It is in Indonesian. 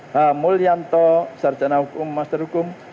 hamulyanto sarjana hukum master hukum